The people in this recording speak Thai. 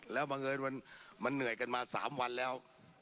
แล้วบังเอิญมันเหนื่อยกันมา๓วันแล้ว